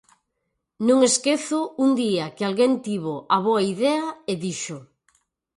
Non esquezo un día que alguén tivo a boa idea e dixo: